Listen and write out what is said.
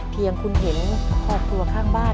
เพียงคุณเห็นขอบตัวข้างบ้าน